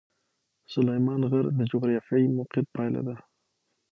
سلیمان غر د جغرافیایي موقیعت پایله ده.